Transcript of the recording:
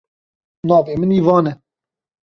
Navê min Ivan e.